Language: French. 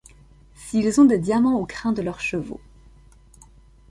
S'ils ont des diamants aux crins de leurs chevaux